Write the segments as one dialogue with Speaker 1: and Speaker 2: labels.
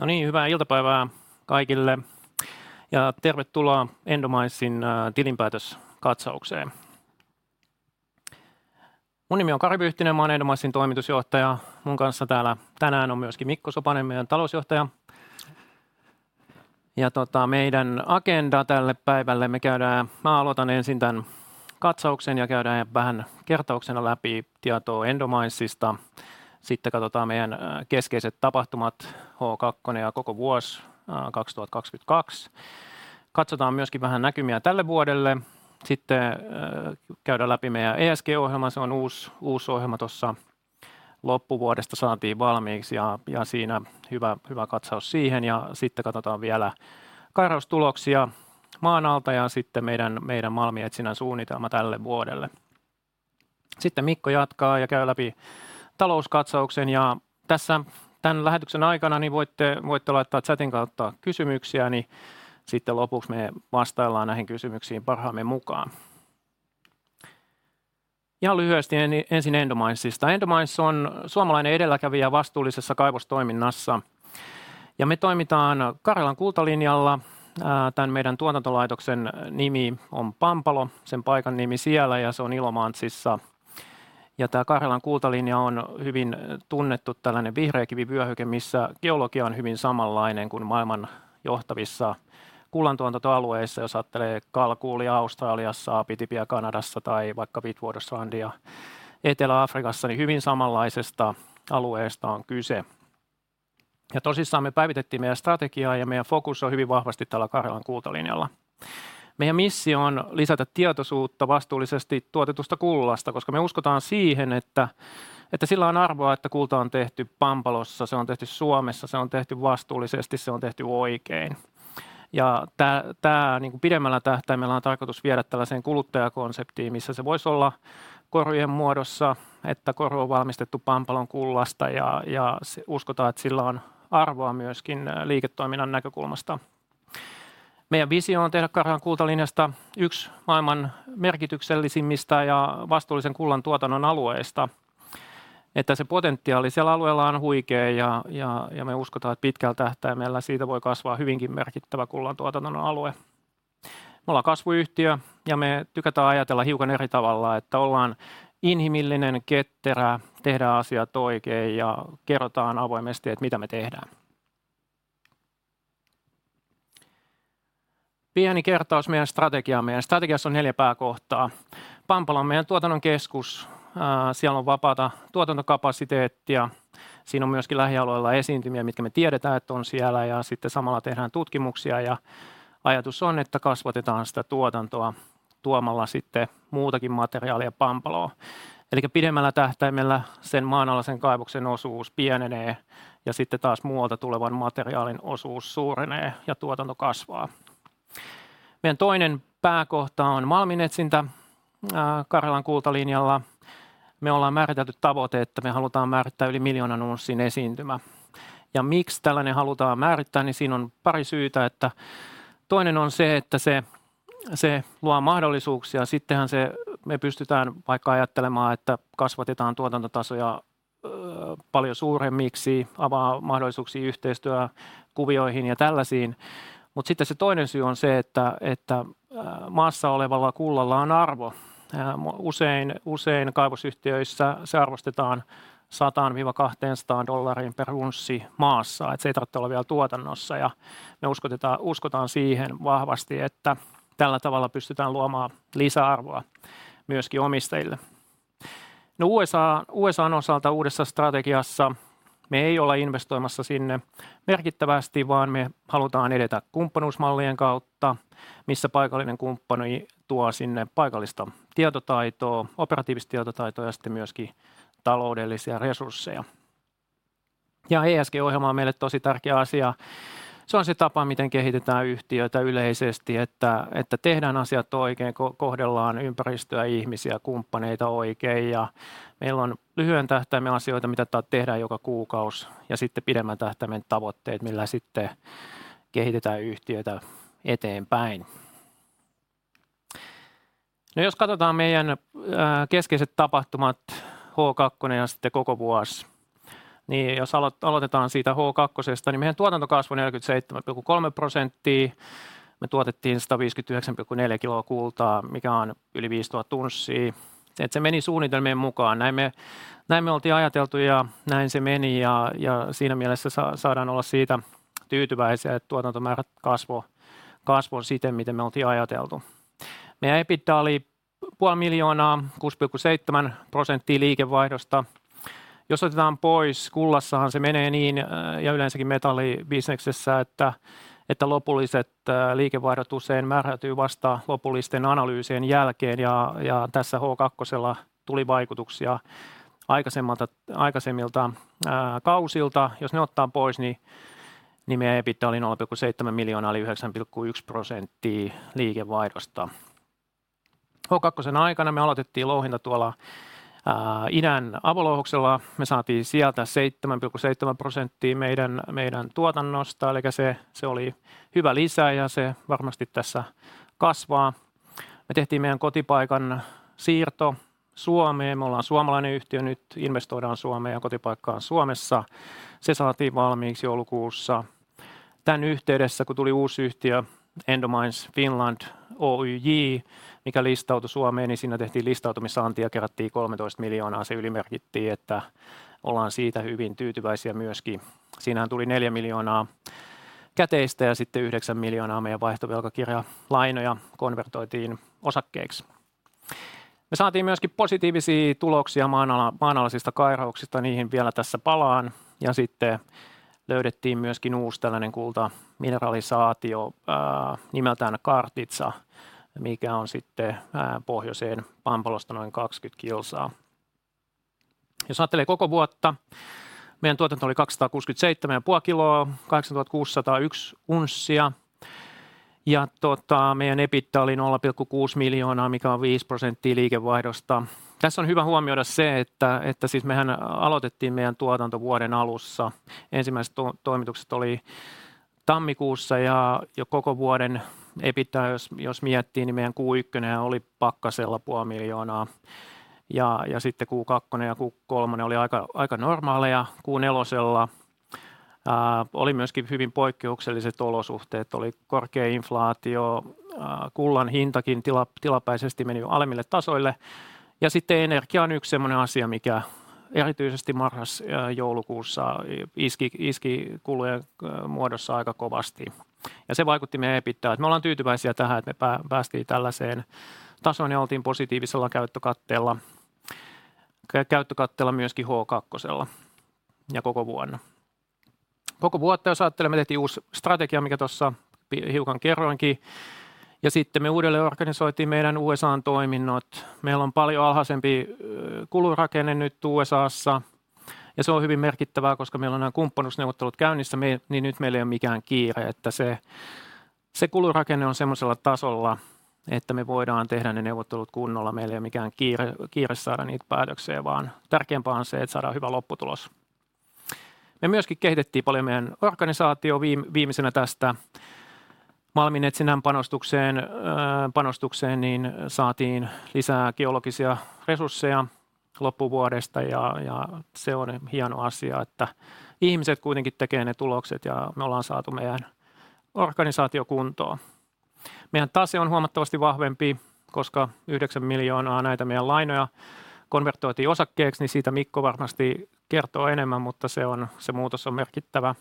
Speaker 1: No niin, hyvää iltapäivää kaikille ja tervetuloa Endominesin tilinpäätöskatsaukseen. Mun nimi on Kari Vyhtinen. Mä oon Endominesin toimitusjohtaja. Mun kanssa täällä tänään on myöskin Mikko Sopanen, meidän talousjohtaja. Meidän agenda tälle päivälle. Mää alotan ensin tän katsauksen ja käydään vähän kertauksena läpi tietoa Endominesista. Katotaan meidän keskeiset tapahtumat. H2 ja koko vuos 2022. Katsotaan myöskin vähän näkymiä tälle vuodelle. Käydään läpi meidän ESG-ohjelma. Se on uusi ohjelma. Tossa loppuvuodesta saatiin valmiiksi ja siinä hyvä katsaus siihen. Katotaan vielä kaivaustuloksia maan alta ja sitten meidän malminetsinnän suunnitelma tälle vuodelle. Mikko jatkaa ja käy läpi talouskatsauksen. Tässä tän lähetyksen aikana voitte laittaa chatin kautta kysymyksiä, lopuks me vastaillaan näihin kysymyksiin parhaamme mukaan. Ihan lyhyesti ensin Endominesista. Endomines on suomalainen edelläkävijä vastuullisessa kaivostoiminnassa ja me toimitaan Karjalan kultalinjalla. Tän meidän tuotantolaitoksen nimi on Pampalo, sen paikan nimi siellä ja se on Ilomantsissa. Tää Karjalan kultalinja on hyvin tunnettu tällainen vihreäkivivyöhyke, missä geologia on hyvin samanlainen kuin maailman johtavissa kullantuotantoalueissa. Jos aattelee Kalgoorlie Australiassa, Abitibi Kanadassa tai vaikka Witwatersrand Etelä-Afrikassa, niin hyvin samanlaisesta alueesta on kyse. Tosissaan me päivitettiin meidän strategiaa ja meidän fokus on hyvin vahvasti täällä Karjalan kultalinjalla. Meidän missio on lisätä tietosuutta vastuullisesti tuotetusta kullasta, koska me uskotaan siihen, että sillä on arvoa, että kulta on tehty Pampalossa. Se on tehty Suomessa. Se on tehty vastuullisesti. Se on tehty oikein ja tää pidemmällä tähtäimellä on tarkoitus viedä tällaiseen kuluttajakonseptiin, missä se vois olla korujen muodossa, että koru on valmistettu Pampalon kullasta. Uskotaan, että sillä on arvoa myöskin liiketoiminnan näkökulmasta. Meidän visio on tehdä Karjalan kultalinjasta yks maailman merkityksellisimmistä ja vastuullisen kullan tuotannon alueista. Se potentiaali siellä alueella on huikea. Me uskotaan, että pitkällä tähtäimellä siitä voi kasvaa hyvinkin merkittävä kullantuotannon alue. Me ollaan kasvuyhtiö ja me tykätään ajatella hiukan eri tavalla, että ollaan inhimillinen, ketterä, tehdään asiat oikein ja kerrotaan avoimesti, et mitä me tehdään. Pieni kertaus meidän strategiaan. Meidän strategiassa on neljä pääkohtaa. Pampalo on meidän tuotannon keskus. Siellä on vapaata tuotantokapasiteettia. Siinä on myöskin lähialueilla esiintymiä, mitkä me tiedetään, että on siellä ja sitten samalla tehdään tutkimuksia ja ajatus on, että kasvatetaan sitä tuotantoa tuomalla sitten muutakin materiaalia Pampaloon. Pidemmällä tähtäimellä sen maanalaisen kaivoksen osuus pienenee ja sitten taas muualta tulevan materiaalin osuus suurenee ja tuotanto kasvaa. Meidän toinen pääkohta on malminetsintä Karjalan kultalinjalla. Me ollaan määritelty tavoite, että me halutaan määrittää yli 1 million unssin esiintymä. Miksi tällainen halutaan määrittää, niin siin on pari syytä, että toinen on se, että se luo mahdollisuuksia. Me pystytään vaikka ajattelemaan, että kasvatetaan tuotantotasoja paljon suuremmiksi, avaa mahdollisuuksia yhteistyökuvioihin ja tällaisiin. Toinen syy on se, että maassa olevalla kullalla on arvo. Usein kaivosyhtiöissä se arvostetaan $100-$200 per unssi maassa. Et se ei tartte olla vielä tuotannossa. Me uskotaan siihen vahvasti, että tällä tavalla pystytään luomaan lisäarvoa myöskin omistajille. USA:n osalta uudessa strategiassa me ei olla investoimassa sinne merkittävästi, vaan me halutaan edetä kumppanuusmallien kautta, missä paikallinen kumppani tuo sinne paikallista tietotaitoa, operatiivista tietotaitoa ja sitten myöskin taloudellisia resursseja. ESG-ohjelma on meille tosi tärkeä asia. Se on se tapa, miten kehitetään yhtiötä yleisesti, että tehdään asiat oikein, kohdellaan ympäristöä ja ihmisiä, kumppaneita oikein. Meillä on lyhyen tähtäimen asioita, mitä tehdään joka kuukausi ja sitten pidemmän tähtäimen tavoitteet, millä sitten kehitetään yhtiötä eteenpäin. Jos katsotaan meidän keskeiset tapahtumat H2 ja sitten koko vuosi, jos aloitetaan siitä H2:sta, meidän tuotanto kasvoi 47%. Me tuotettiin 159.4 kiloa kultaa, mikä on yli 5,000 unssia. Se meni suunnitelmien mukaan. Näin me oltiin ajateltu ja näin se meni. Siinä mielessä saadaan olla siitä tyytyväisiä, että tuotantomäärät kasvoi siten, miten me oltiin ajateltu. Meidän EBITDA oli EUR 0.5 million, 6.7% liikevaihdosta. Jos otetaan pois, kullassahan se menee niin ja yleensäkin metallibisneksessä, että lopulliset liikevaihdot usein määräytyy vasta lopullisten analyysien jälkeen. Tässä H2:lla tuli vaikutuksia aikaisemmilta kausilta. Jos ne ottaa pois, meidän EBITDA oli EUR 0.7 million eli 9.1% liikevaihdosta. H2:n aikana me aloitettiin louhinta tuolla idän avolouhoksella. Me saatiin sieltä 7.7% meidän tuotannosta. Se oli hyvä lisä ja se varmasti tässä kasvaa. Me tehtiin meidän kotipaikan siirto Suomeen. Me ollaan suomalainen yhtiö. Nyt investoidaan Suomeen ja kotipaikka on Suomessa. Se saatiin valmiiksi joulukuussa. Tän yhteydessä ku tuli uusi yhtiö Endomines Finland Oyj, mikä listautu Suomeen, niin siinä tehtiin listautumisanti ja kerättiin EUR 13 miljoonaa. Se ylimerkittiin, että ollaan siitä hyvin tyytyväisiä myöskin. Siinähän tuli EUR 4 miljoonaa käteistä ja sitten EUR 9 miljoonaa meidän vaihtovelkakirjalainoja konvertoitiin osakkeiksi. Me saatiin myöskin positiivisia tuloksia maanalaisista kairauksista. Niihin vielä tässä palaan. Sitten löydettiin myöskin uusi tällainen kulta mineralisaatio nimeltään Kartitsa, mikä on sitten pohjoiseen Pampalosta noin 20 kilsaa. Jos aattelee koko vuotta, meidän tuotanto oli 267.5 kiloa, 2,601 unssia ja meidän EBITDA oli EUR 0.6 miljoonaa, mikä on 5% liikevaihdosta. Tässä on hyvä huomioida se, että siis mehän aloitettiin meidän tuotanto vuoden alussa. Ensimmäiset toimitukset oli tammikuussa ja jo koko vuoden EBITDAa jos miettii, niin meidän Q1 oli pakkasella EUR 0.5 million ja sitten Q2 ja Q3 oli aika normaaleja. Q4:llä oli myöskin hyvin poikkeukselliset olosuhteet. Oli korkea inflaatio, kullan hintakin tilapäisesti meni alemmille tasoille. Sitten energia on yksi semmonen asia, mikä erityisesti marras joulukuussa iski kulujen muodossa aika kovasti ja se vaikutti meidän EBITDAan. Me ollaan tyytyväisiä tähän, et me päästiin tällaiseen tasoon ja oltiin positiivisella käyttökatteella myöskin H2:lla ja koko vuonna. Koko vuotta jos aattelee, me tehtiin uusi strategia, mikä tuossa hiukan kerroinkin. Sitten me uudelleenorganisoitiin meidän USA:n toiminnot. Meillä on paljon alhaisempi kulurakenne nyt USA:ssa ja se on hyvin merkittävää, koska meillä on nää kumppanuusneuvottelut käynnissä, niin nyt meillä ei ole mikään kiire, että se kulurakenne on semmosella tasolla, että me voidaan tehdä ne neuvottelut kunnolla. Meillä ei ole mikään kiire saada niit päätökseen, vaan tärkeämpää on se, että saadaan hyvä lopputulos. Me myöskin kehitettiin paljon meidän organisaatio. Viimeisenä tästä malminetsinnän panostukseen, niin saatiin lisää geologisia resursseja loppuvuodesta. Se on hieno asia, että ihmiset kuitenkin tekee ne tulokset ja me ollaan saatu meidän organisaatio kuntoon. Meidän tase on huomattavasti vahvempi, koska EUR 9 miljoonaa näitä meidän lainoja konvertoitiin osakkeiksi, niin siitä Mikko varmasti kertoo enemmän. Se muutos on merkittävä.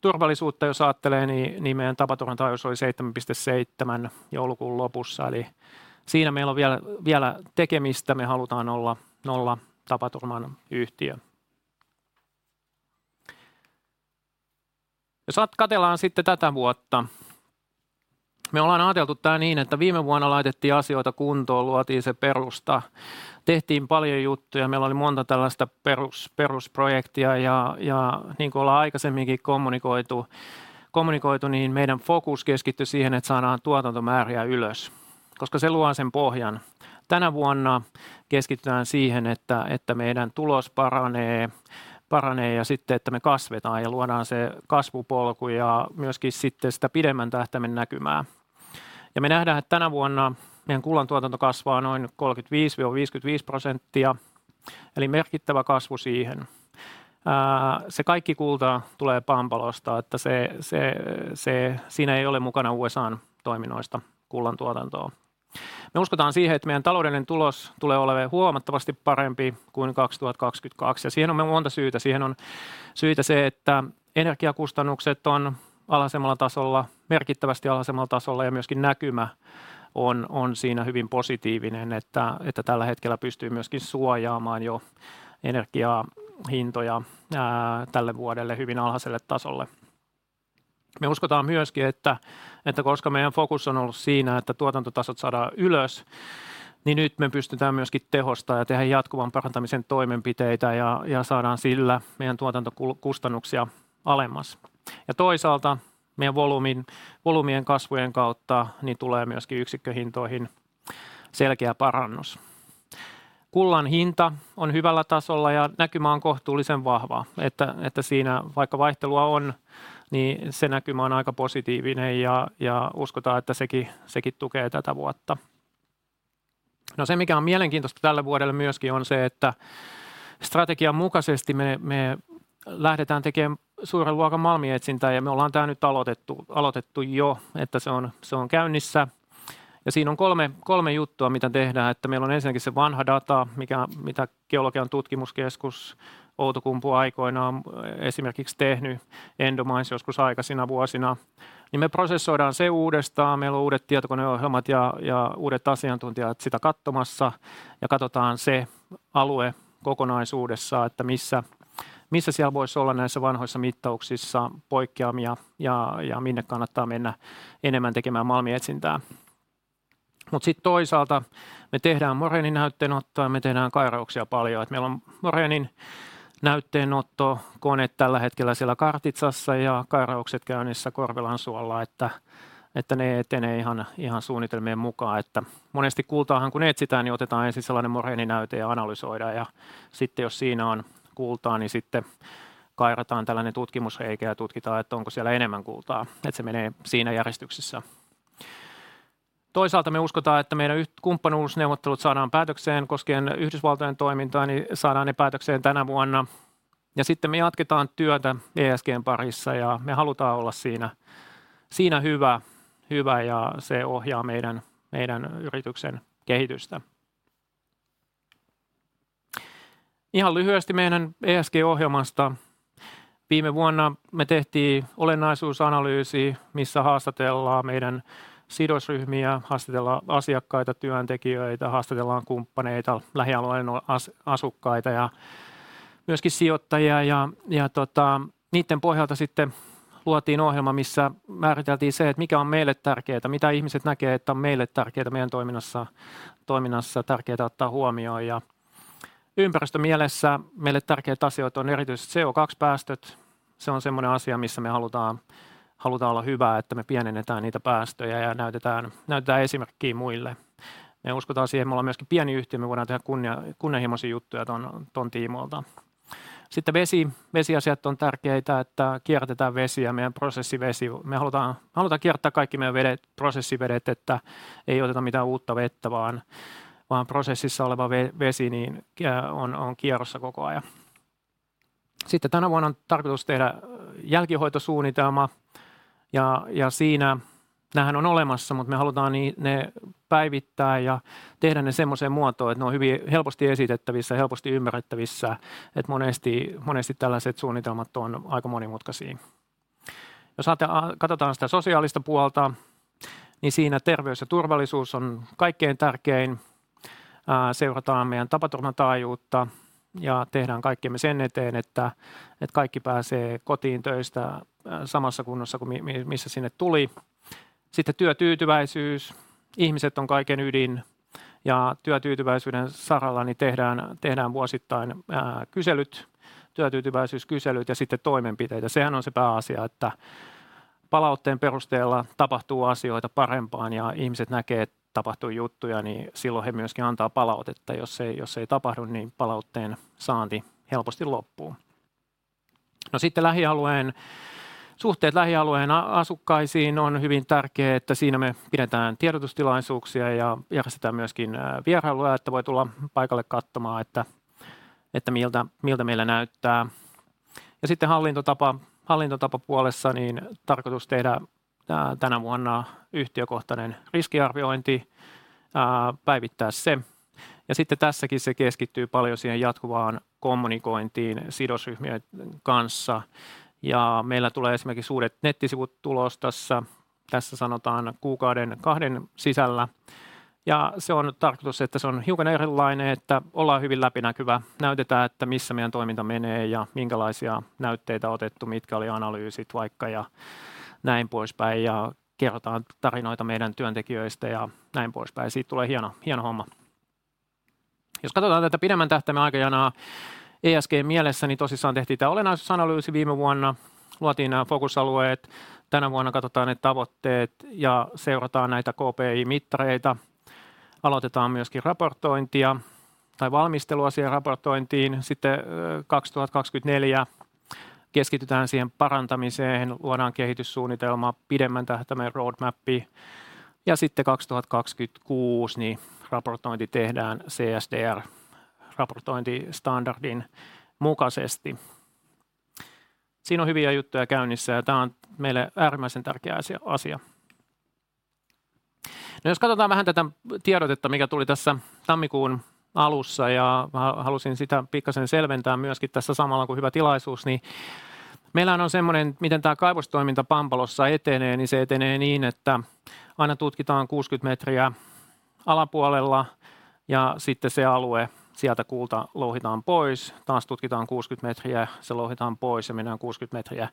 Speaker 1: Turvallisuutta jos aattelee, niin meidän tapaturmataajuus oli 7.7 joulukuun lopussa, eli siinä meillä on vielä tekemistä. Me halutaan olla nolla tapaturman yhtiö. Jos katellaan sitten tätä vuotta. Me ollaan aateltu tää niin, että viime vuonna laitettiin asioita kuntoon, luotiin se perusta, tehtiin paljon juttuja. Meillä oli monta tällaista perus-perusprojektia ja niin kuin ollaan aikaisemmin kommunikoitu, niin meidän fokus keskitty siihen, että saadaan tuotantomääriä ylös, koska se luo sen pohjan. Tänä vuonna keskitytään siihen, että meidän tulos paranee ja sitten että me kasvetaan ja luodaan se kasvupolku ja myöskin sitten sitä pidemmän tähtäimen näkymää. Me nähdään, että tänä vuonna meidän kullantuotanto kasvaa noin 35-55% eli merkittävä kasvu siihen. Se kaikki kulta tulee Pampalosta. Että se siinä ei ole mukana U.S.:n toiminnoista kullantuotantoo. Me uskotaan siihen, että meidän taloudellinen tulos tulee oleen huomattavasti parempi kuin 2022. Siihen on monta syytä. Siihen on syitä se, että energiakustannukset on alhaisemmalla tasolla, merkittävästi alhaisemmalla tasolla ja myöskin näkymä on siinä hyvin positiivinen, että tällä hetkellä pystyy myöskin suojaamaan jo energian hintoja tälle vuodelle hyvin alhaiselle tasolle. Me uskotaan myöskin, että koska meidän fokus on ollut siinä, että tuotantotasot saadaan ylös, niin nyt me pystytään myöskin tehostaa ja tehdä jatkuvan parantamisen toimenpiteitä ja saadaan sillä meidän tuotantokustannuksia alemmas ja toisaalta meidän volyymien kasvujen kautta niin tulee myöskin yksikköhintoihin selkeä parannus. Kullan hinta on hyvällä tasolla ja näkymä on kohtuullisen vahva, että siinä vaikka vaihtelua on, niin se näkymä on aika positiivinen ja uskotaan, että sekin tukee tätä vuotta. Se mikä on mielenkiintoista tälle vuodelle myöskin on se, että strategian mukaisesti me lähdetään tekeen suuren luokan malminetsintää ja me ollaan tää nyt aloitettu jo. Se on käynnissä ja siinä on kolme juttua mitä tehdään. Meillä on ensinnäkin se vanha data, mitä Geologian tutkimuskeskus Outokumpu aikoinaan esimerkiksi tehny, Endomines joskus aikaisina vuosina, niin me prosessoidaan se uudestaan. Meillä on uudet tietokoneohjelmat ja uudet asiantuntijat sitä katsomassa. Katsotaan se alue kokonaisuudessaan, että missä siellä voisi olla näissä vanhoissa mittauksissa poikkeamia ja minne kannattaa mennä enemmän tekemään malminetsintää. Toisaalta me tehdään moreeninäytteenottoa. Me tehdään kairauksia paljon, että meillä on moreeninäytteenottokone tällä hetkellä siellä Kartitsassa ja kairaukset käynnissä Korvilansuolla, että ne etenee ihan suunnitelmien mukaan, että monesti kultaahan kun etsitään niin otetaan ensin sellainen moreeninäyte ja analysoidaan ja sitten jos siinä on kultaa niin sitten kairataan tällainen tutkimusreikä ja tutkitaan, että onko siellä enemmän kultaa. Se menee siinä järjestyksessä. Toisaalta me uskotaan, että meidän kumppanuusneuvottelut saadaan päätökseen koskien Yhdysvaltojen toimintaa, niin saadaan ne päätökseen tänä vuonna. Me jatketaan työtä ESG:n parissa ja me halutaan olla siinä hyvä ja se ohjaa meidän yrityksen kehitystä. Ihan lyhyesti meidän ESG-ohjelmasta. Viime vuonna me tehtiin olennaisuusanalyysi, missä haastatellaan meidän sidosryhmiä, haastatellaan asiakkaita, työntekijöitä, haastatellaan kumppaneita, lähialueen asukkaita ja myöskin sijoittajia, ja niitten pohjalta sitten luotiin ohjelma, missä määriteltiin se, että mikä on meille tärkeetä, mitä ihmiset näkee, että on meille tärkeetä meidän toiminnassa tärkeetä ottaa huomioon. Ympäristömielessä meille tärkeät asiat on erityisesti CO2 päästöt. Se on semmonen asia, missä me halutaan olla hyvä, että me pienennetään niitä päästöjä ja näytetään esimerkkiä muille. Me uskotaan siihen. Me ollaan myöskin pieni yhtiö. Me voidaan tehdä kunnianhimoisia juttuja ton tiimoilta. Vesi. Vesiasiat on tärkeitä, että kierrätetään vesi ja meidän prosessivesi. Me halutaan kiertää kaikki meidän vedet, prosessivedet, että ei oteta mitään uutta vettä vaan prosessissa oleva vesi niin on kierrossa koko ajan. Tänä vuonna on tarkoitus tehdä jälkihoitosuunnitelma. Siinä näähän on olemassa, mutta me halutaan ne päivittää ja tehdä ne semmoiseen muotoon, että ne on hyvin helposti esitettävissä ja helposti ymmärrettävissä. Monesti, monesti tällaiset suunnitelmat on aika monimutkaisia. Jos katotaan sitä sosiaalista puolta, niin siinä terveys ja turvallisuus on kaikkein tärkein. Seurataan meidän tapaturmataajuutta ja tehdään kaikkemme sen eteen, että, et kaikki pääsee kotiin töistä samassa kunnossa ku missä sinne tuli. Työtyytyväisyys. Ihmiset on kaiken ydin, ja työtyytyväisyyden saralla niin tehdään vuosittain kyselyt, työtyytyväisyyskyselyt ja sitten toimenpiteitä. Sehän on se pääasia, että palautteen perusteella tapahtuu asioita parempaan ja ihmiset näkee, että tapahtuu juttuja, niin silloin he myöskin antaa palautetta. Jos ei, jos ei tapahdu, niin palautteen saanti helposti loppuu. Lähialueen suhteet lähialueen asukkaisiin on hyvin tärkee, että siinä me pidetään tiedotustilaisuuksia ja järjestetään myöskin vierailuja, että voi tulla paikalle kattomaan, että miltä meillä näyttää. Hallintotapa. Hallintotapapuolessa niin tarkoitus tehdä tää tänä vuonna yhtiökohtainen riskiarviointi, päivittää se. Tässäkin se keskittyy paljon siihen jatkuvaan kommunikointiin sidosryhmien kanssa. Meillä tulee esimerkiksi uudet nettisivut tulos tässä, 1-2 kuukauden sisällä. Se on tarkoitus, että se on hiukan erilainen, että ollaan hyvin läpinäkyvä. Näytetään, että missä meidän toiminta menee ja minkälaisia näytteitä otettu, mitkä oli analyysit vaikka ja näin poispäin ja kerrotaan tarinoita meidän työntekijöistä ja näin poispäin. Siit tulee hieno homma. Jos katotaan tätä pidemmän tähtäimen aikajanaa ESG mielessä, niin tosissaan tehtiin tää olennaisuusanalyysi viime vuonna. Luotiin nää fokusalueet. Tänä vuonna katotaan ne tavoitteet ja seurataan näitä KPI mittareita. Alotetaan myöskin raportointia tai valmistelua siihen raportointiin. 2024 keskitytään siihen parantamiseen. Luodaan kehityssuunnitelma, pidemmän tähtäimen roadmap. 2026 ni raportointi tehdään TSM raportointistandardin mukasesti. Siinä on hyviä juttuja käynnissä ja tää on meille äärimmäisen tärkeä asia. Jos katotaan vähän tätä tiedotetta, mikä tuli tässä tammikuun alussa ja mä halusin sitä pikkasen selventää myöskin tässä samalla, kun hyvä tilaisuus, niin meillähän on semmonen, miten tää kaivostoiminta Pampalossa etenee, niin se etenee niin, että aina tutkitaan 60 metriä alapuolella ja sitten se alue, sieltä kulta louhitaan pois. Taas tutkitaan 60 metriä. Se louhitaan pois ja mennään 60 metriä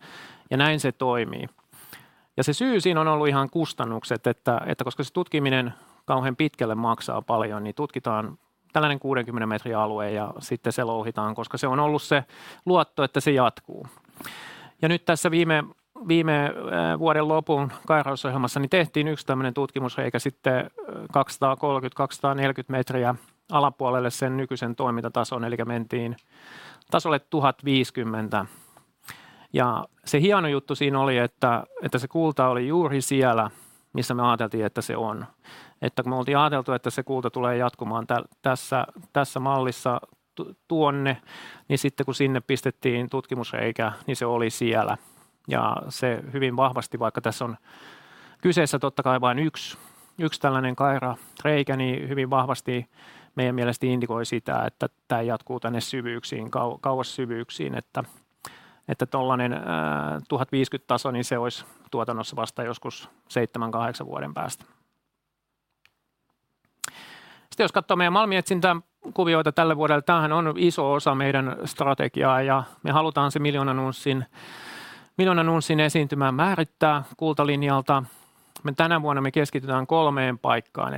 Speaker 1: ja näin se toimii. Se syy siin on ollu ihan kustannukset, että koska se tutkiminen kauhean pitkälle maksaa paljon, niin tutkitaan tällainen 60 metrin alue ja sitten se louhitaan, koska se on ollut se luotto, että se jatkuu. Nyt tässä viime vuoden lopun kairausoohjelmassa ni tehtiin yksi tämmönen tutkimusreikä sitte 230-240 metriä alapuolelle sen nykyisen toimintatason elikkä mentiin tasolle 1,050. Se hieno juttu siin oli, että se kulta oli juuri siellä, missä me aateltiin, että se on. Kun me oltiin aateltu, että se kulta tulee jatkumaan tässä mallissa tuonne, niin sitten kun sinne pistettiin tutkimusreikä, niin se oli siellä. Se hyvin vahvasti, vaikka tässä on kyseessä totta kai vain yks tällainen kairareikä, niin hyvin vahvasti meidän mielestä indikoi sitä, että tää jatkuu tänne syvyyksiin, kauas syvyyksiin. Tollanen 1050 taso, niin se ois tuotannossa vasta joskus 7 8 vuoden päästä. Sitte jos kattoo meidän malminetsintäkuvioita tälle vuodelle. Täähän on iso osa meidän strategiaa ja me halutaan se 1 million unssin esiintymä määrittää kultalinjalta. Me tänä vuonna me keskitytään 3 paikkaan.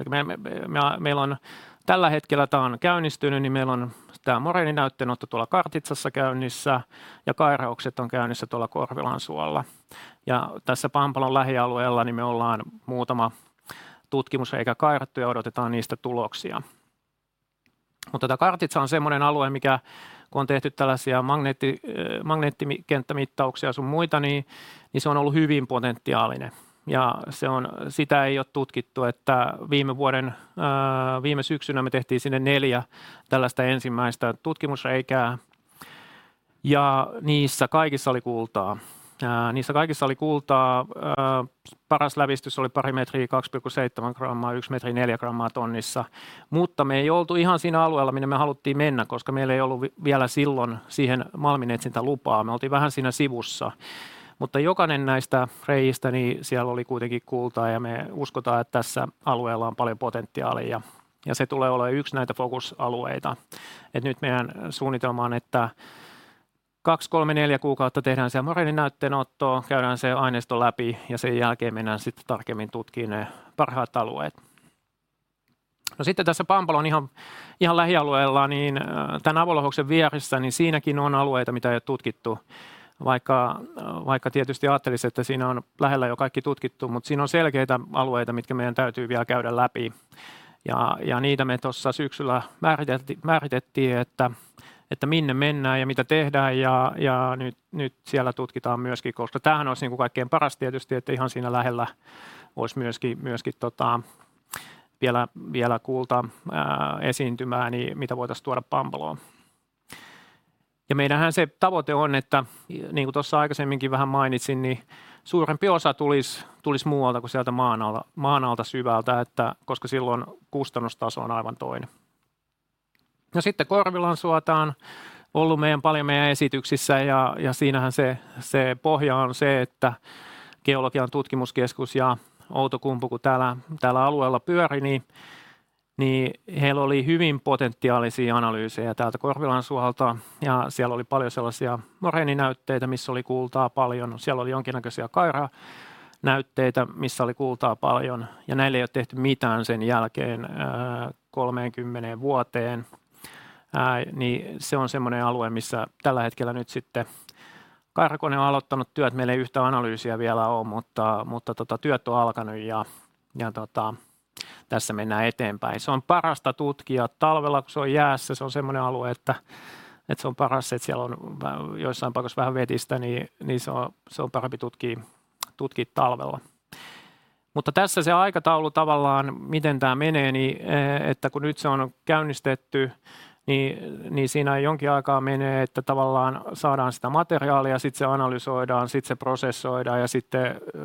Speaker 1: Meil on tällä hetkellä tää on käynnistyny, niin meil on tää moreeninäytteenotto tuolla Kartitsassa käynnissä ja kairaukset on käynnissä tuolla Korvilansuolla. Tässä Pampalon lähialueella me ollaan muutama tutkimusreikä kairattu ja odotetaan niistä tuloksia. Kartitsa on semmonen alue, mikä ku on tehty tällasia magneetti, magneettikenttämittauksia sun muita, niin se on ollu hyvin potentiaalinen. Se on, sitä ei oo tutkittu, että viime vuoden, viime syksynä me tehtiin sinne 4 tällaista ensimmäistä tutkimusreikää, ja niissä kaikissa oli kultaa. Paras lävistys oli 2 metrii, 2.7 grammaa, 1 metri 4 grammaa tonnissa. Me ei oltu ihan siinä alueella minne me haluttiin mennä, koska meil ei ollu vielä silloin siihen malminetsintälupaa. Me oltiin vähän siinä sivussa. Jokanen näistä rei'istä, niin siel oli kuitenkin kultaa ja me uskotaan, että tässä alueella on paljon potentiaalia ja se tulee oleen 1 näitä fokusalueita. Nyt meidän suunnitelma on, että 2, 3, 4 kuukautta tehdään siellä moreeninäytteenottoa, käydään se aineisto läpi ja sitten mennään tarkemmin tutkimaan ne parhaat alueet. Sitten tässä Pampalon ihan lähialueella niin tämän avolouhoksen vieressä, niin siinäkin on alueita mitä ei ole tutkittu, vaikka tietysti ajattelisi, että siinä on lähellä jo kaikki tutkittu, mutta siinä on selkeitä alueita, mitkä meidän täytyy vielä käydä läpi. Niitä me tuossa syksyllä määritettiin, että minne mennään ja mitä tehdään. Nyt siellä tutkitaan myös, koska tämähän olisi niin kuin kaikkein paras tietysti, että ihan siinä lähellä olisi myös tota vielä kulta esiintymää, niin mitä voitaisiin tuoda Pampaloon. Meidän se tavoite on, että niin kuin tuossa aikaisemminkin vähän mainitsin, niin suurempi osa tulis muualta kuin sieltä maan alla, maan alta syvältä, että koska silloin kustannustaso on aivan toinen. Sitte Korvilansuota on ollu meiän paljon meiän esityksissä ja siinähän se pohja on se, että Geologian tutkimuskeskus ja Outokumpu ku täällä alueella pyöri, niin heil oli hyvin potentiaalisia analyyseja täältä Korvilansuolta, ja siel oli paljon sellasia moreeninäytteitä, missä oli kultaa paljon. Siellä oli jonkinnäkösiä kairanäytteitä, missä oli kultaa paljon ja näille ei oo tehty mitään sen jälkeen, 30 vuoteen. Nii se on semmonen alue, missä tällä hetkellä nyt sitte Kaarakonen on alottanu työt. Meil ei yhtään analyysia vielä oo, mutta tota työt on alkanu ja tota tässä mennään eteenpäin. Se on parasta tutkia talvella, kun se on jäässä. Se on semmonen alue, että et se on paras, et siel on joissain paikoissa vähän vetistä, niin se on, se on parempi tutkii talvella. Tässä se aikataulu tavallaan miten tää menee, että kun nyt se on käynnistetty, siinä jonkin aikaa menee, että tavallaan saadaan sitä materiaalia. Sit se analysoidaan, sit se prosessoidaan ja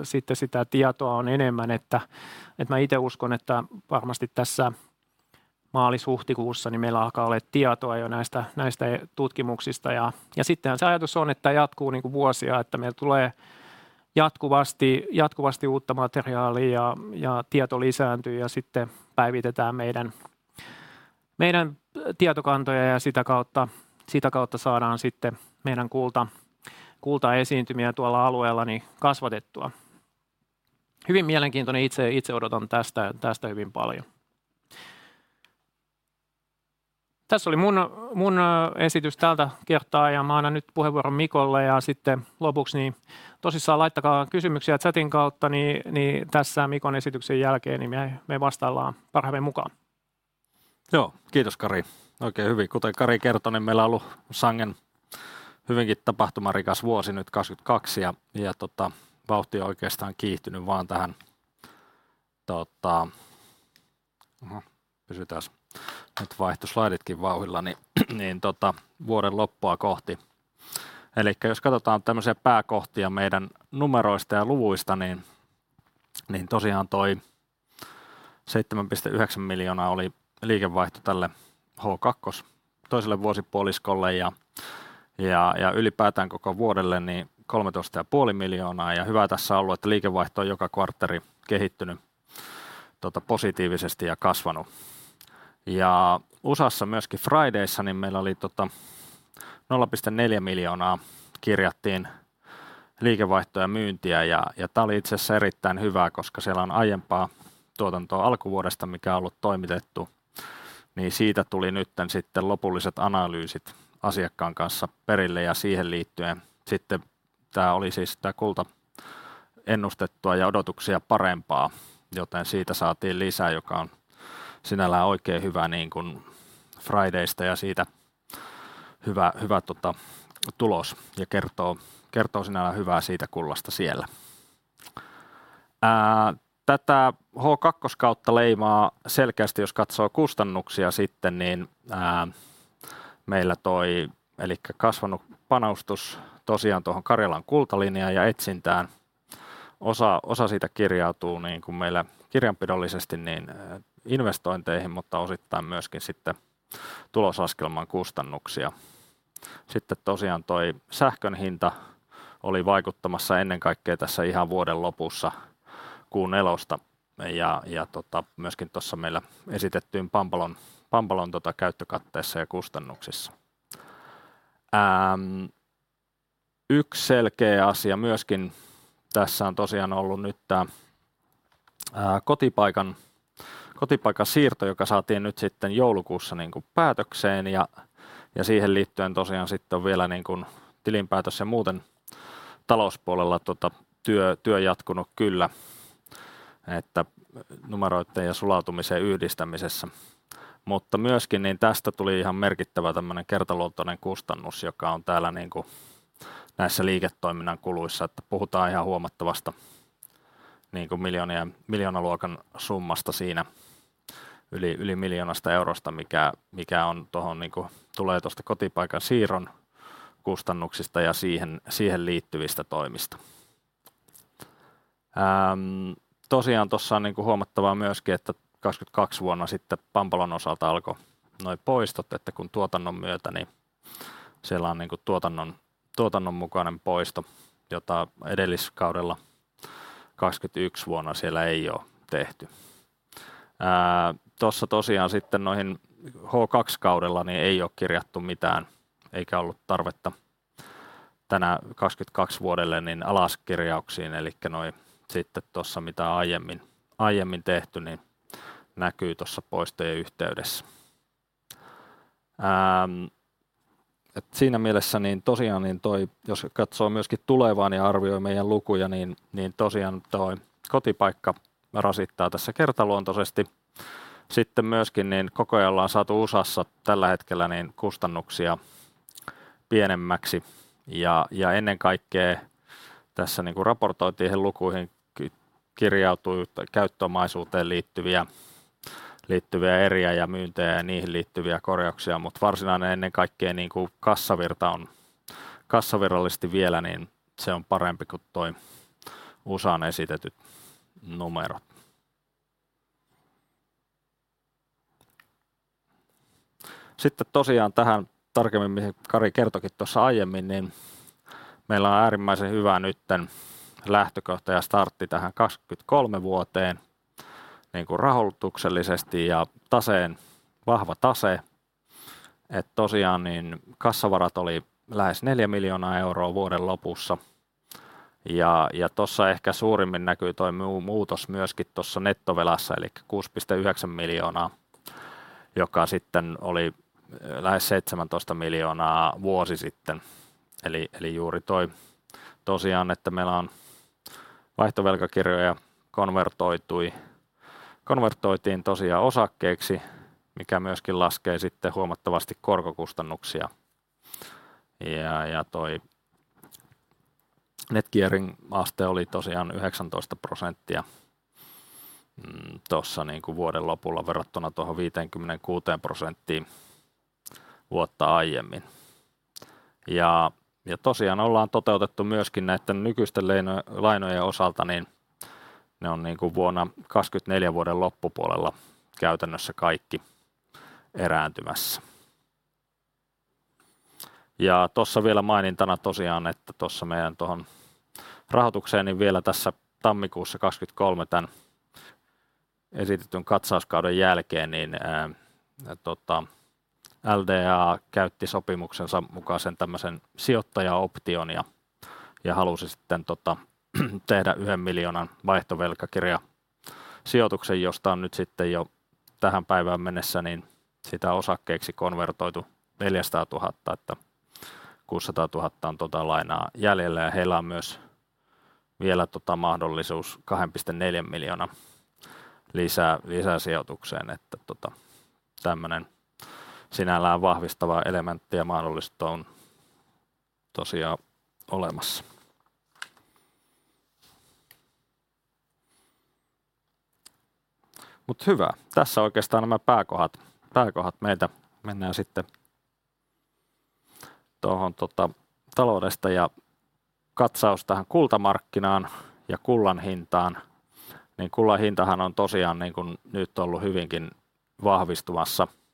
Speaker 1: sitte sitä tietoa on enemmän, että mä ite uskon, että varmasti tässä maalis-huhtikuussa meillä alkaa olee tietoa jo näistä tutkimuksista. Sittenhän se ajatus on, että tää jatkuu vuosia, että meille tulee jatkuvasti uutta materiaalia ja tieto lisääntyy ja sitten päivitetään meidän tietokantoja ja sitä kautta saadaan sitte meidän kultaesiintymiä tuolla alueella kasvatettua. Hyvin mielenkiintoinen. Itse odotan tästä hyvin paljon. Tässä oli mun esitys tältä kertaa ja mä annan nyt puheenvuoron Mikolle. Lopuks tosissaan laittakaa kysymyksiä chatin kautta. Tässä Mikon esityksen jälkeen me vastaillaan parhaamme mukaan.
Speaker 2: Kiitos Kari. Oikein hyvin. Kuten Kari kerto, meillä on ollu sangen hyvinkin tapahtumarikas vuosi nyt 2022 ja vauhti on oikeestaan kiihtyny vaan tähän. Oho, pysytääs. Nyt vaihtu slaiditki vauhilla vuoden loppua kohti. Jos katotaan tämmösiä pääkohtia meidän numeroista ja luvuista, tosiaan EUR 7.9 million oli liikevaihto tälle H2 toiselle vuosipuoliskolle ja ylipäätään koko vuodelle EUR 13.5 million. Hyvää tässä on ollu, että liikevaihto on joka kvartteri kehittyny positiivisesti ja kasvanu. U.S.:ssa myöskin Fridayssa meillä oli EUR 0.4 million kirjattiin liikevaihtoa ja myyntiä. Ja tää oli itse asiassa erittäin hyvää, koska siellä on aiempaa tuotantoa alkuvuodesta mikä on ollut toimitettu, niin siitä tuli nytten sitten lopulliset analyysit asiakkaan kanssa perille ja siihen liittyen sitten tää oli siis sitä kulta ennustettua ja odotuksia parempaa, joten siitä saatiin lisää, joka on sinällään oikein hyvä niinkun Fridaysta ja siitä hyvä tota tulos ja kertoo sinällään hyvää siitä kullasta siellä. Tätä H kakkos kautta leimaa selkeästi jos katsoo kustannuksia sitten niin, meillä toi elikkä kasvanut panostus tosiaan tuohon Karjalan kultalinjaan ja etsintään. Osa, osa siitä kirjautuu niinku meillä kirjanpidollisesti niin investointeihin, mutta osittain myöskin sitten tuloslaskelman kustannuksia. Sitten tosiaan toi sähkön hinta oli vaikuttamassa ennen kaikkea tässä ihan vuoden lopussa kuun nelosta ja tota myöskin tossa meillä esitettyyn Pampalon tota käyttökatteessa ja kustannuksissa. yksi selkee asia myöskin tässä on tosiaan ollu nyt tää kotipaikan siirto, joka saatiin nyt sitten joulukuussa niinku päätökseen ja siihen liittyen tosiaan sit on vielä niinkun tilinpäätös ja muuten talouspuolella tota työ jatkunu kyllä. Numeroitten ja sulautumisen yhdistämisessä. Myöskin niin tästä tuli ihan merkittävä tämmönen kertaluontoinen kustannus, joka on täällä niinku näissä liiketoiminnan kuluissa, että puhutaan ihan huomattavasta niinku miljoonien miljoonaluokan summasta siinä, yli EUR 1 million, mikä on tuohon niinku tulee tuosta kotipaikan siirron kustannuksista ja siihen liittyvistä toimista. tosiaan tuossa on niinku huomattavaa myöskin, että 2022 vuonna sitten Pampolan osalta alko noi poistot, että kun tuotannon myötä niin siellä on niinku tuotannon mukainen poisto, jota edelliskaudella 2021 vuonna siellä ei oo tehty. tuossa tosiaan sitten noihin H2 kaudella niin ei oo kirjattu mitään eikä ollut tarvetta tänä 2022 vuodelle niin alaskirjauksiin. Elikkä noi sitten tuossa mitä aiemmin tehty niin näkyy tuossa poistojen yhteydessä. Siinä mielessä niin tosiaan niin toi jos katsoo myöskin tulevaan ja arvioi meidän lukuja, niin tosiaan toi kotipaikka rasittaa tässä kertaluontosesti. Sitten myöskin niin koko ajan ollaan saatu USAssa tällä hetkellä niin kustannuksia pienemmäksi ja ennen kaikkea tässä niinku raportoitiin lukuihin kirjautui käyttöomaisuuteen liittyviä eriä ja myyntejä ja niihin liittyviä korjauksia, mutta varsinainen ennen kaikkea niinku kassavirta on kassavirrallisesti vielä, niin se on parempi kuin toi USA:n esitetyt numerot. Sitten tosiaan tähän tarkemmin, mihin Kari kertoikin tuossa aiemmin, niin meillä on äärimmäisen hyvä nytten lähtökohta ja startti tähän 2023 vuoteen niinku rahoituksellisesti ja taseen vahva tase. Tosiaan niin kassavarat oli lähes EUR 4 million vuoden lopussa. Tossa ehkä suurimmin näkyy toi muu muutos myöskin tuossa nettovelassa elikkä EUR 6.9 million, joka sitten oli lähes EUR 17 million vuosi sitten. Eli juuri toi tosiaan, että meillä on vaihtovelkakirjoja konvertoitiin tosiaan osakkeiksi, mikä myöskin laskee sitten huomattavasti korkokustannuksia. Ja toi net gearing aste oli tosiaan 19% tuossa niinku vuoden lopulla verrattuna tuohon 56% vuotta aiemmin. Ja tosiaan ollaan toteutettu myöskin näiden nykyisten lainojen osalta, niin ne on niinku vuonna 2024 vuoden loppupuolella käytännössä kaikki erääntymässä. Tossa vielä mainintana tosiaan, että tossa meidän tuohon rahoitukseen, niin vielä tässä tammikuussa 2023 tän esitetyn katsauskauden jälkeen niin tota LDA käytti sopimuksensa mukaisen tämmösen sijoittajaoption ja halusi sitten tota tehdä EUR 1 million vaihtovelkakirjasijoituksen, josta on nyt sitten jo tähän päivään mennessä niin sitä osakkeiksi konvertoitu EUR 400,000, että EUR 600,000 on tota lainaa jäljellä ja heillä on myös vielä tota mahdollisuus EUR 2.4 million lisää lisäsijoitukseen. Tota tämmönen sinällään vahvistava elementti ja mahdollisuus on tosiaan olemassa. Hyvä. Tässä oikeastaan nämä pääkohdat meiltä. Mennään sitten tohon taloudesta ja katsaus tähän kultamarkkinaan ja kullan hintaan. Kullan hintahan on tosiaan niinkun nyt ollut hyvinkin vahvistumassa trendissä.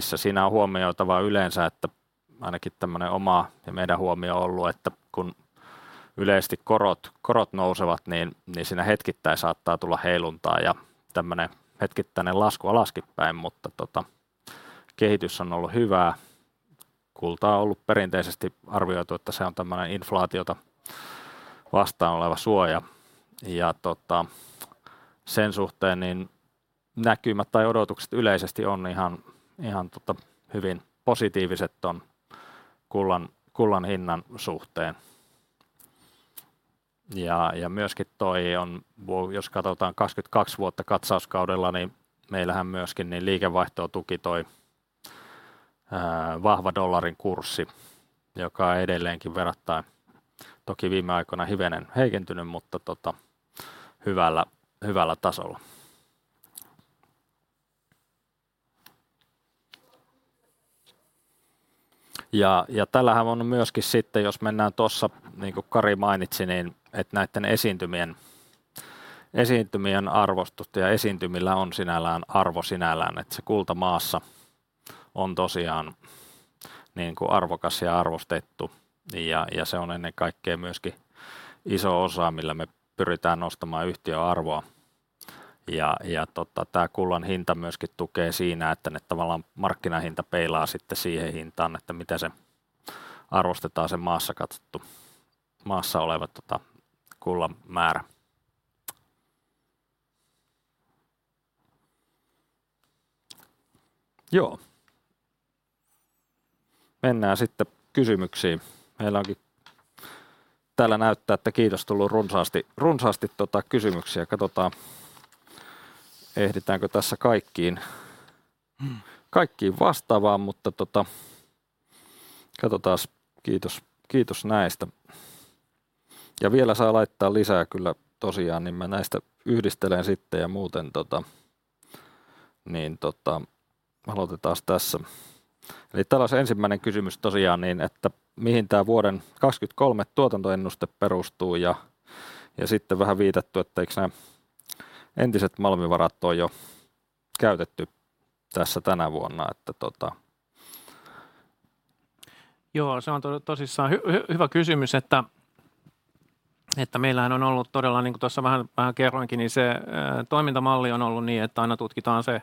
Speaker 2: Siinä on huomioitava yleensä, että ainakin tämmönen oma ja meidän huomio on ollut, että kun yleisesti korot nousevat, niin siinä hetkittäin saattaa tulla heiluntaa ja tämmönen hetkittäinen lasku alaskin päin. Kehitys on ollut hyvää. Kultaa on ollut perinteisesti arvioitu, että se on tämmönen inflaatiota vastaan oleva suoja ja sen suhteen niin näkymät tai odotukset yleisesti on ihan hyvin positiiviset ton kullan hinnan suhteen. Myöskin toi on jos katotaan 22 vuotta katsauskaudella, niin meillähän myöskin niin liikevaihtoa tuki toi vahva dollarin kurssi, joka edelleenkin verrattain toki viime aikoina hivenen heikentynyt, mutta hyvällä tasolla. Tällähän on myöskin sitten jos mennään tuossa niin kuin Kari mainitsi, niin että näitten esiintymien arvostus ja esiintymillä on sinällään arvo sinällään, että se kulta maassa on tosiaan niinku arvokas ja arvostettu. Se on ennen kaikkea myöskin iso osa millä me pyritään nostamaan yhtiön arvoa. Tää kullan hinta myöskin tukee siinä, että ne tavallaan markkinahinta peilaa sitten siihen hintaan, että miten se arvostetaan se maassa katsottu maassa oleva kullan määrä. Mennään sitten kysymyksiin. Meillä onkin täällä, näyttää että kiitos tullut runsaasti kysymyksiä. Katotaan ehditäänkö tässä kaikkiin vastaamaan. Katotaas. Kiitos, kiitos näistä. Vielä saa laittaa lisää kyllä tosiaan niin mä näistä yhdistelen sitten. Muuten aloitetaas tässä. Täällä olisi ensimmäinen kysymys tosiaan niin, että mihin tää vuoden 2023 tuotantoennuste perustuu? Vähän viitattu, että eikös ne entiset malmivarat ole jo käytetty tässä tänä vuonna.
Speaker 1: Joo, se on tosissaan hyvä kysymys, että meillähän on ollut todella niin kuin tuossa vähän kerroinkin, niin se toimintamalli on ollut niin, että aina tutkitaan se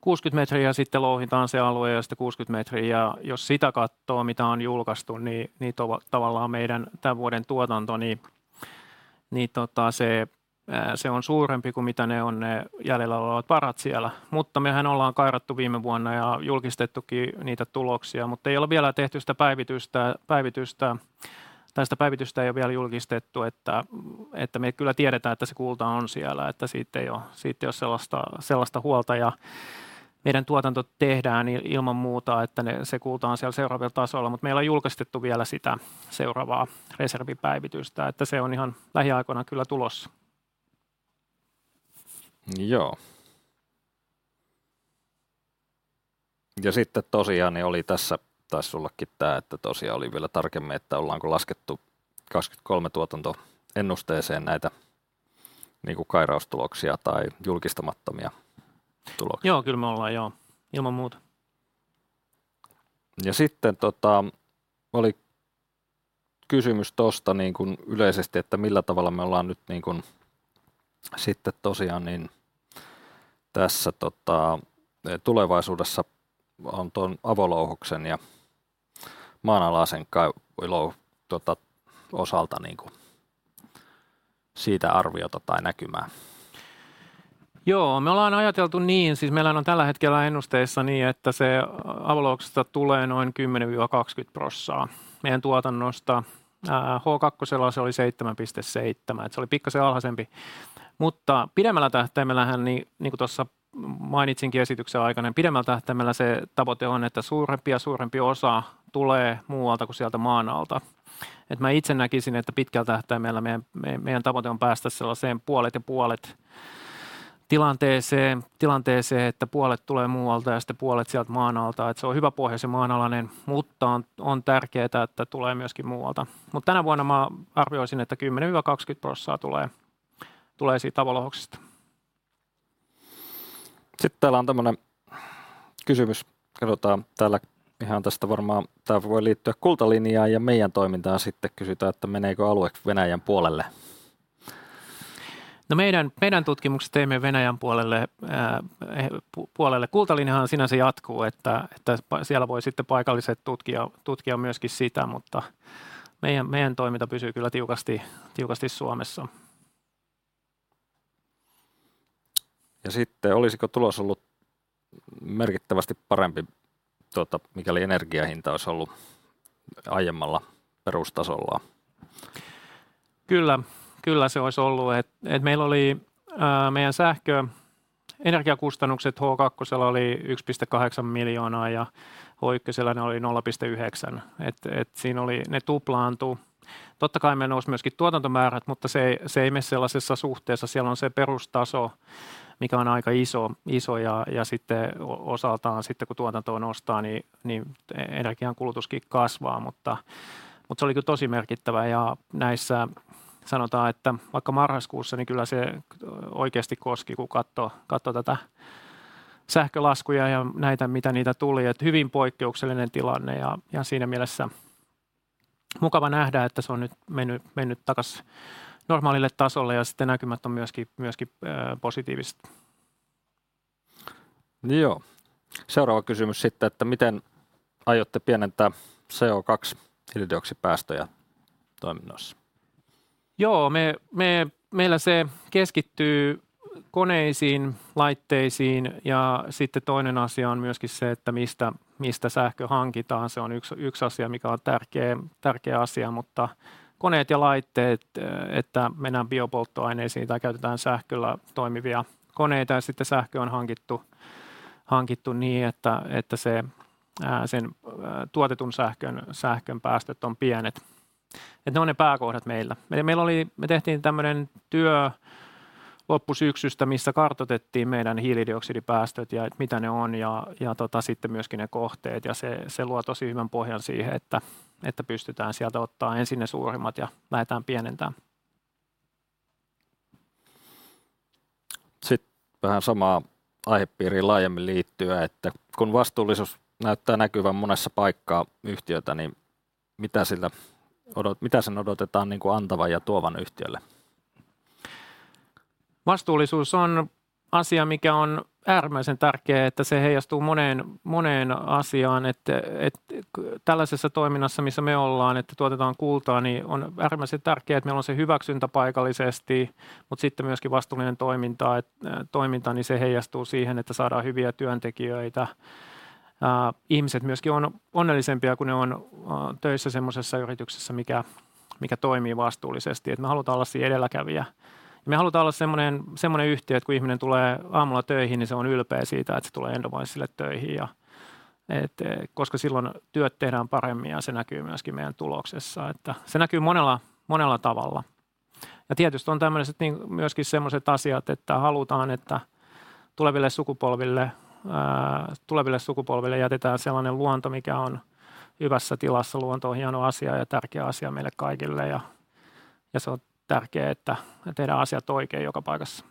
Speaker 1: 60 metriä, sitten louhitaan se alue ja sitten 60 metriä. Jos sitä kattoo mitä on julkaistu, niin tavallaan meidän tämän vuoden tuotanto niin tota se on suurempi kuin mitä ne on ne jäljellä olevat varat siellä. Mehän ollaan kairattu viime vuonna ja julkistettukin niitä tuloksia, mutta ei olla vielä tehty sitä päivitystä tai sitä päivitystä ei ole vielä julkistettu, että me kyllä tiedetään että se kulta on siellä, että siitä ei ole sellaista huolta ja meidän tuotanto tehdään ilman muuta, että ne se kulta on siellä seuraavilla tasoilla, mutta me ei olla julkistettu vielä sitä seuraavaa reservipäivitystä, että se on ihan lähiaikoina kyllä tulossa.
Speaker 2: Joo. Sitten tosiaan niin oli. Tässä taisi ollakin tää, että tosiaan oli vielä tarkemmin, että ollaanko laskettu 2023 tuotantoennusteeseen näitä niinku kairaustuloksia tai julkistamattomia tuloksia?
Speaker 1: Joo, kyllä me ollaan joo, ilman muuta.
Speaker 2: oli kysymys tosta yleisesti, että millä tavalla me ollaan nyt sitten tosiaan tässä tulevaisuudessa on tuon avolouhoksen ja maanalaisen louhoksen osalta siitä arviota tai näkymää.
Speaker 1: Joo, me ollaan ajateltu niin. Siis meillähän on tällä hetkellä ennusteissa niin, että se avolouhoksesta tulee noin 10-20% meidän tuotannosta. H2:lla se oli 7.7, et se oli pikkasen alhaisempi, pidemmällä tähtäimellähän, niin niin kuin tuossa mainitsinkin esityksen aikana, pidemmällä tähtäimellä se tavoite on, että suurempi ja suurempi osa tulee muualta kuin sieltä maan alta. Et mä itse näkisin, että pitkällä tähtäimellä meidän tavoite on päästä sellaiseen puolet ja puolet -tilanteeseen, että puolet tulee muualta ja sitten puolet sieltä maan alta. Et se on hyvä pohja se maanalainen. On tärkeää, että tulee myöskin muualta. Tänä vuonna mä arvioisin, että 10-20% tulee siitä avolouhoksesta.
Speaker 2: Täällä on tämmönen kysymys. Katotaan täällä. Ihan tästä varmaan tää voi liittyä Kultalinjaan ja meidän toimintaan. Kysytään, että meneekö alue Venäjän puolelle?
Speaker 1: Meidän, meidän tutkimukset ei mene Venäjän puolelle. Kultalinjahan sinänsä jatkuu, että siellä voi sitten paikalliset tutkia myöskin sitä. Meidän, meidän toiminta pysyy kyllä tiukasti Suomessa.
Speaker 2: Olisiko tulos ollut merkittävästi parempi mikäli energian hinta olisi ollut aiemmalla perustasollaan?
Speaker 1: Kyllä, se olisi ollut, meillä oli meidän sähkö energiakustannukset H kakkosella oli EUR 1.8 million ja H ykkösellä ne oli EUR 0.9 million. Siinä oli ne tuplaantuu. Totta kai meillä nousi myöskin tuotantomäärät, mutta se ei mee sellaisessa suhteessa. Siellä on se perustaso, mikä on aika iso ja sitten osaltaan sitten kun tuotantoa nostaa niin, energiankulutuskin kasvaa. Mutta se oli kyllä tosi merkittävä. Näissä sanotaan, että vaikka marraskussa, niin kyllä se oikeasti koski kun katso tätä sähkölaskuja ja näitä mitä niitä tuli, että hyvin poikkeuksellinen tilanne. Siinä mielessä mukava nähdä, että se on nyt mennyt takas normaalille tasolle. Näkymät on myöskin positiiviset.
Speaker 2: Joo, seuraava kysymys sitten, että miten aiotte pienentää CO2 hiilidioksidipäästöjä toiminnoissa?
Speaker 1: Meillä se keskittyy koneisiin, laitteisiin ja sitten toinen asia on myöskin se, että mistä sähkö hankitaan. Se on yksi asia mikä on tärkeä asia. Koneet ja laitteet, että mennään biopolttoaineisiin tai käytetään sähköllä toimivia koneita. Sitten sähkö on hankittu niin että se sen tuotetun sähkön päästöt on pienet. Ne on ne pääkohdat meillä. Meillä oli, me tehtiin tämmönen työ loppusyksystä, missä kartoitettiin meidän hiilidioksidipäästöt ja mitä ne on ja tota sitten myöskin ne kohteet ja se luo tosi hyvän pohjan siihen, että pystytään sieltä ottaan ensin ne suurimmat ja lähetään pienentää.
Speaker 2: vähän samaan aihepiiriin laajemmin liittyen, että kun vastuullisuus näyttää näkyvän monessa paikkaa yhtiötä, niin mitä sen odotetaan niinku antavan ja tuovan yhtiölle?
Speaker 1: Vastuullisuus on asia mikä on äärimmäisen tärkeä, että se heijastuu moneen asiaan. Tällaisessa toiminnassa missä me ollaan, että tuotetaan kultaa, niin on äärimmäisen tärkeää, että meillä on se hyväksyntä paikallisesti, mutta sitten myöskin vastuullinen toiminta, et toiminta, niin se heijastuu siihen, että saadaan hyviä työntekijöitä. Ihmiset myös on onnellisempia kun ne on töissä sellaisessa yrityksessä, mikä toimii vastuullisesti, et me halutaan olla siinä edelläkävijä. Me halutaan olla semmonen yhtiö, et ku ihminen tulee aamulla töihin, niin se on ylpeä siitä, et se tulee Endominesille töihin ja et koska silloin työt tehdään paremmin ja se näkyy myöskin meidän tuloksessa, että se näkyy monella tavalla. Tietysti on tämmöiset niin kuin myös sellaiset asiat, että halutaan, että tuleville sukupolville jätetään sellainen luonto, mikä on hyvässä tilassa. Luonto on hieno asia ja tärkeä asia meille kaikille, ja se on tärkee, että tehdään asiat oikein joka paikassa.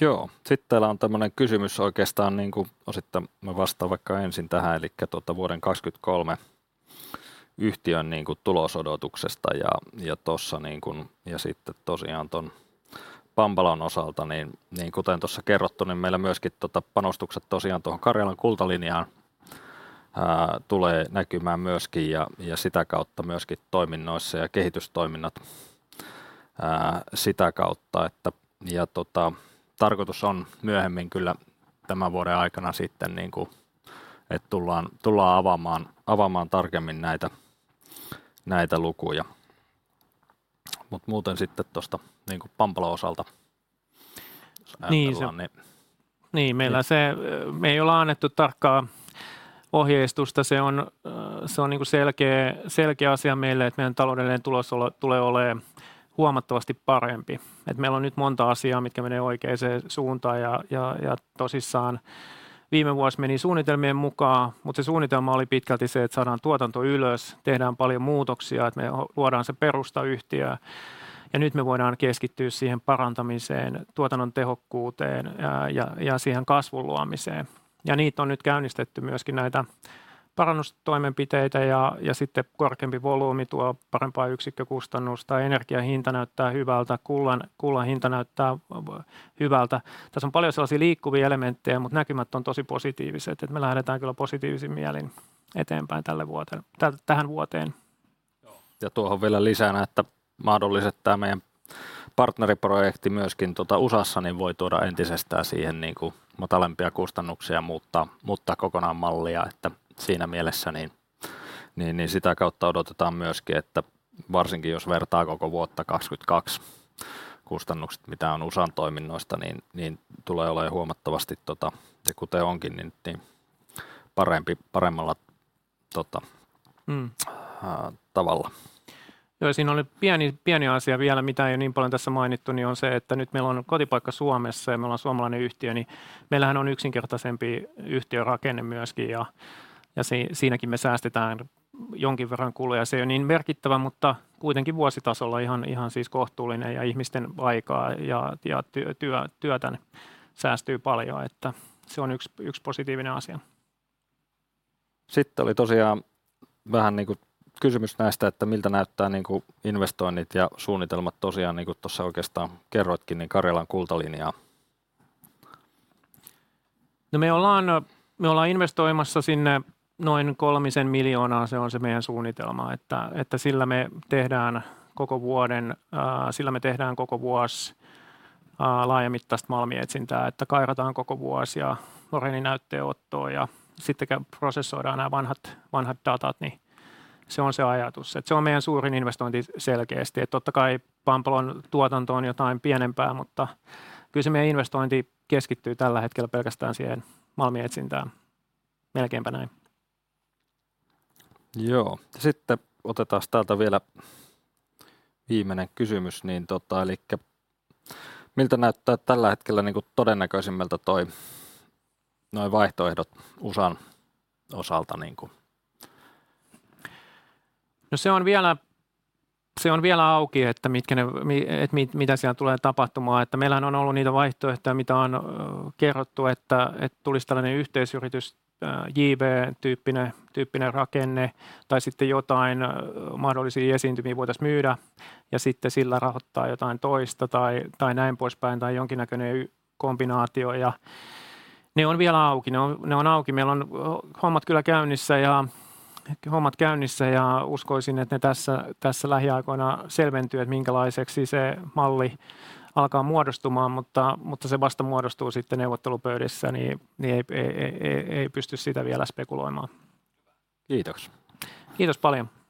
Speaker 2: Joo. Sit täällä on tämmönen kysymys oikeestaan niinku osittain mä vastaan vaikka ensin tähän elikkä tota vuoden 2023 yhtiön niinku tulosodotuksesta. Tossa niinkun ja sitte tosiaan ton Pampalon osalta, niin kuten tossa kerrottu, niin meillä myöski tota panostukset tosiaan tuohon Karelian Gold Lineen tulee näkymään myöski ja sitä kautta myöski toiminnoissa ja kehitystoiminnot sitä kautta että. Tarkoitus on myöhemmin kyllä tämän vuoden aikana sitten niinku et tullaan avaamaan tarkemmin näitä lukuja. Mut muuten sitten tosta niinku Pampalon osalta. Jos ajatellaan niin.
Speaker 1: Meillä se me ei olla annettu tarkkaa ohjeistusta. Se on niinku selkeä asia meille, et meiän taloudellinen tulos tulee olee huomattavasti parempi. Meil on nyt monta asiaa, mitkä menee oikeeseen suuntaan ja tosissaan viime vuos meni suunnitelmien mukaan, mut se suunnitelma oli pitkälti se, et saadaan tuotanto ylös, tehdään paljon muutoksia, et me luodaan se perustayhtiö ja nyt me voidaan keskittyy siihen parantamiseen, tuotannon tehokkuuteen ja siihen kasvun luomiseen. Niit on nyt käynnistetty myöskin näitä parannustoimenpiteitä. Sitte korkeampi volyymi tuo parempaa yksikkökustannusta ja energian hinta näyttää hyvältä. Kullan hinta näyttää hyvältä. Täs on paljon sellaisia liikkuvia elementtejä, mut näkymät on tosi positiiviset, et me lähdetään kyllä positiivisin mielin eteenpäin tähän vuoteen.
Speaker 2: Tuohon vielä lisänä, että mahdolliset tämä meidän partneriprojekti myöskin U.S. niin voi tuoda entisestään siihen niin kuin matalempia kustannuksia, muuttaa kokonaan mallia, että siinä mielessä niin sitä kautta odotetaan myös, että varsinkin jos vertaa koko vuotta 2022 kustannukset mitä on U.S.n toiminnoista niin tulee olemaan huomattavasti ja kuten onkin niin paremmalla.
Speaker 1: Mm.
Speaker 2: Tavalla.
Speaker 1: Siin oli pieni asia vielä mitä ei oo niin paljon tässä mainittu niin on se, että nyt meil on kotipaikka Suomessa ja me ollaan suomalainen yhtiö, ni meillähän on yksinkertaisempi yhtiörakenne myöski ja siinäkin me säästetään jonkin verran kuluja. Se ei oo niin merkittävä, mutta kuitenkin vuositasolla ihan siis kohtuullinen. Ihmisten aikaa ja työtä säästyy paljon, että se on yks positiivinen asia.
Speaker 2: Oli tosiaan vähän niinku kysymys näistä, että miltä näyttää niinku investoinnit ja suunnitelmat tosiaan niin kun tuossa oikeastaan kerroitkin, niin Karjalan kultalinjaan.
Speaker 1: Me ollaan investoimassa sinne noin EUR 3 miljoonaa. Se on se meidän suunnitelma, että sillä me tehdään koko vuoden, sillä me tehdään koko vuosi laajamittaista malminetsintää, että kairataan koko vuosi ja moreeninäytteenottoa ja sitten prosessoidaan ne vanhat datat. Se on se ajatus. Se on meidän suurin investointi selkeästi. Totta kai Pampalon tuotanto on jotain pienempää, mutta kyllä se meidän investointi keskittyy tällä hetkellä pelkästään siihen malminetsintään. Melkeinpä näin.
Speaker 2: Joo. Otetaas täältä vielä viimenen kysymys niin tota elikkä miltä näyttää tällä hetkellä niinku todennäkösimmältä toi noi vaihtoehdot USAn osalta niinku?
Speaker 1: Se on vielä, se on vielä auki, että mitkä ne mitä siellä tulee tapahtumaan. Meillähän on ollu niitä vaihtoehtoja mitä on kerrottu, että tulis tällanen yhteisyritys JV-tyyppinen rakenne. Tai sitten jotain mahdollisia esiintymii voitais myydä ja sitten sillä rahottaa jotain toista tai näin poispäin tai jonkinnäkönen kombinaatio. Ne on vielä auki. Ne on auki, meil on hommat kyllä käynnissä ja uskoisin, et ne tässä lähiaikoina selventyy, et minkälaiseksi se malli alkaa muodostumaan. Se vasta muodostuu sitten neuvottelupöydissä, niin ei pysty sitä vielä spekuloimaan.
Speaker 2: Kiitos.
Speaker 1: Kiitos paljon!